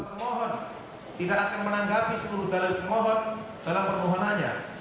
penguasa hukum polda metro jaya tidak akan menanggapi seluruh dalil penguasa hukum dalam permohonannya